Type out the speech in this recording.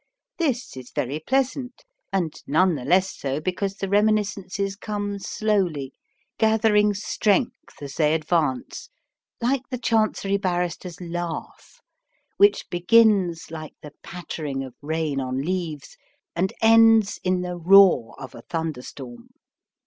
This is very pleasant, and none the less so because the reminiscences come slowly, gathering strength as they advance, like the Chancery Barrister's laugh, which begins like the pattering of rain on leaves, and ends in the roar of a thunderstorm.